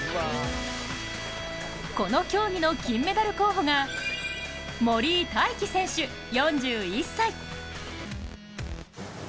この競技の金メダル候補が森井大輝選手、４１歳。